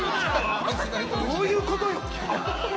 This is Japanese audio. どういうことよ！